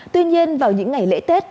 tuy nhiên vào những ngày lễ tết